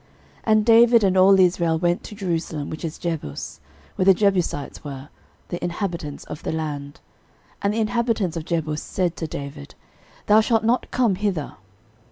13:011:004 And David and all Israel went to Jerusalem, which is Jebus; where the Jebusites were, the inhabitants of the land. 13:011:005 And the inhabitants of Jebus said to David, Thou shalt not come hither.